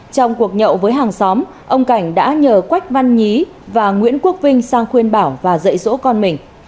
trong cuộc nhậu với hàng xóm ông cảnh đã nhờ quách văn nhí và nguyễn quốc vinh sang khuyên bảo và dạy dỗ con mình